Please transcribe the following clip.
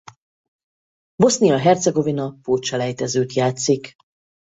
Bosznia-Hercegovina pótselejtezőt játszik.